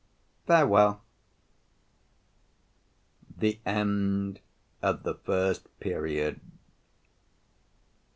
—Farewell. THE END OF THE FIRST PERIOD.